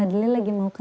bukan yakin mati